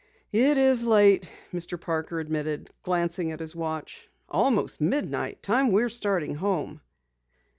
"It is late," Mr. Parker admitted, glancing at his watch. "Almost midnight. Time we're starting home."